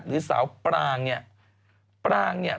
หรือสาวปรางเนี่ย